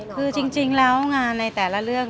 คือจริงแล้วงานในแต่ละเรื่อง